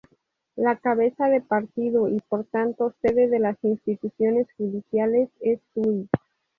La cabeza de partido y por tanto sede de las instituciones judiciales es Tuy.